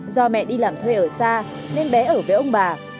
do mẹ đi làm thuê ở xa nên bé ở với ông bà